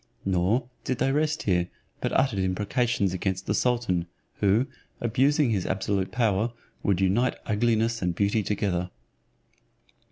Nor did they rest here, but uttered imprecations against the sultan, who, abusing his absolute power, would unite ugliness and beauty together.